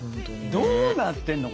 どうなってんの？